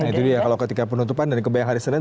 itu dia kalau ketika penutupan dan kebayang hari senin